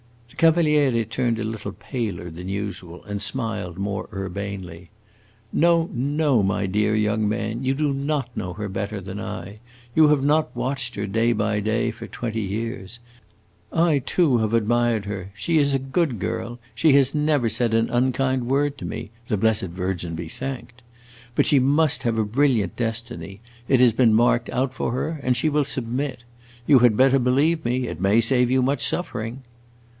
The Cavaliere turned a little paler than usual, and smiled more urbanely. "No, no, my dear young man, you do not know her better than I. You have not watched her, day by day, for twenty years. I too have admired her. She is a good girl; she has never said an unkind word to me; the blessed Virgin be thanked! But she must have a brilliant destiny; it has been marked out for her, and she will submit. You had better believe me; it may save you much suffering."